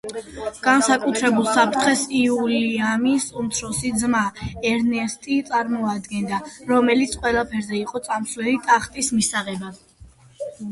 განსაკუთრებულ საფრთხეს უილიამის უმცროსი ძმა, ერნესტი წარმოადგენდა, რომელიც ყველაფერზე იყო წამსვლელი ტახტის მისაღებად.